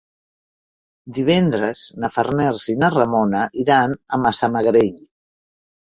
Divendres na Farners i na Ramona iran a Massamagrell.